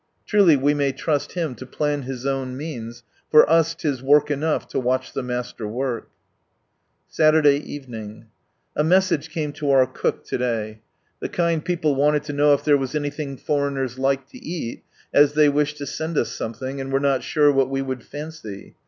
Truly we may trust Him to plan His own means, for us 'tis "work enough to watch the Master work." Siiliiriiay ez'eniiig. — A message came to our cook to day. The kind people wanted to know if there was anything foreigners liked to eat, as they wished to send us something, and were not sure what we would fancy